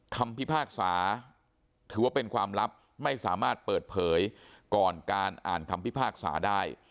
คำพิพากษาถือว่าเป็นความลับไม่สามารถเปิดเผยก่อนการอ่านคำพิพากษาได้